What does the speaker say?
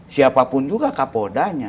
siapapun juga kapodaknya